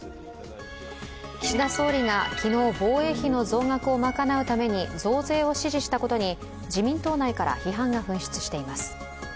岸田総理が昨日防衛費の増額を賄うために増税を指示したことに、自民党内から批判が噴出しています。